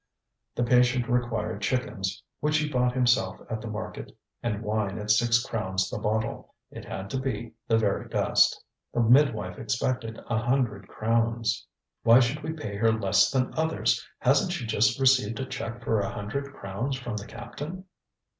ŌĆØ The patient required chickens which he bought himself at the market, and wine at six crowns the bottle. It had to be the very best. The midwife expected a hundred crowns. ŌĆ£Why should we pay her less than others? HasnŌĆÖt she just received a cheque for a hundred crowns from the captain?